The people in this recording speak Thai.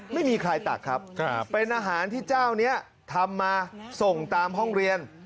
ไม่มีใครตักครับเป็นอาหารที่เจ้านี้ทำมาส่งตามห้องเรียน